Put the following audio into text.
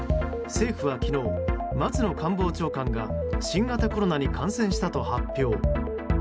政府は昨日、松野官房長官が新型コロナに感染したと発表。